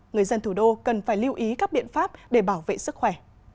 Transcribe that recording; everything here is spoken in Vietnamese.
người dân thủ đô cần phải lưu ý các biện pháp để bảo vệ sức khỏe